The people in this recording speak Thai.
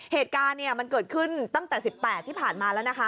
เหตุการณ์มันเกิดขึ้นตั้งแต่๑๘ที่ผ่านมาแล้วนะคะ